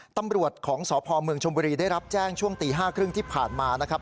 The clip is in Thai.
ตำรวจของสพเมืองชมบุรีได้รับแจ้งช่วงตี๕๓๐ที่ผ่านมานะครับ